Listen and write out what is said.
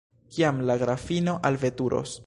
Kiam la grafino alveturos?